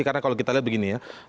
karena kalau kita lihat begini ya